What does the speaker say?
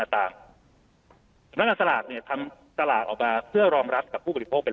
ต้องสลากเปลี่ยนทำสลากออกมาเพื่อรองรับกับผู้บลิโภคเป็น